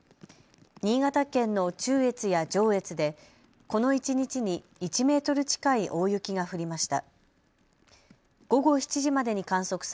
新潟県の中越や上越でこの一日に１メートル近い大雪が降りました。